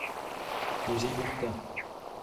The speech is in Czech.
Jiří Buchta.